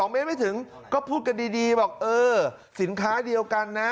๒เมตรไม่ถึงก็พูดกันดีบอกเออสินค้าเดียวกันนะ